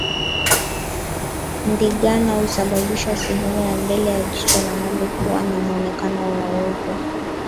Ndigana husababisha sehemu ya mbele ya jicho la ngombe kuwa na mwonekano wa weupe